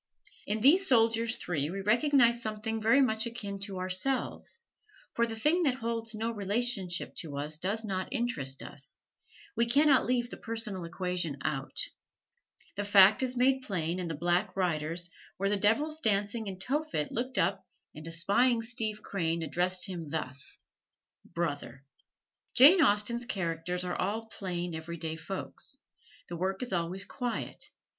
In these soldiers three we recognize something very much akin to ourselves, for the thing that holds no relationship to us does not interest us we can not leave the personal equation out. This fact is made plain in "The Black Riders," where the devils dancing in Tophet look up and espying Steve Crane address him thus: "Brother!" Jane Austen's characters are all plain, every day folks. The work is always quiet.